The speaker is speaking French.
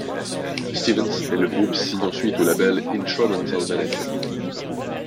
Stevens et le groupe signent ensuite au label Intromental Management..